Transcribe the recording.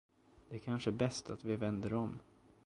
Det är kanske bäst, att vi vänder om.